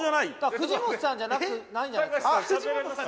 ・藤本さんじゃなくないんじゃないですか？